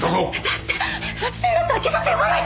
だって殺人だったら警察呼ばないと！